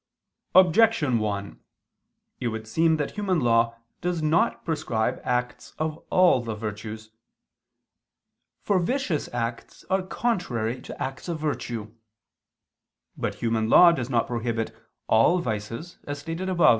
Objection 1: It would seem that human law does not prescribe acts of all the virtues. For vicious acts are contrary to acts of virtue. But human law does not prohibit all vices, as stated above (A.